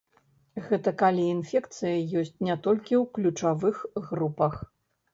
Гэта калі інфекцыя ёсць не толькі ў ключавых групах.